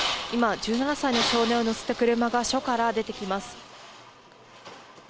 今、１７歳の少年を乗せた車が、署から出てきます。